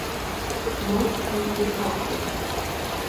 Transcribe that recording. Насгьы иҳәахит.